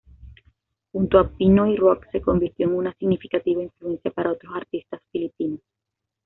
Junto a Pinoy rock se convirtió en una significativa influencia para otros artistas filipinos.